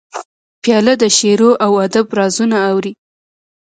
پیاله د شعرو او ادب رازونه اوري.